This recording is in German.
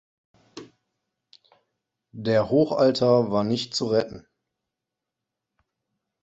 Der Hochaltar war nicht zu retten.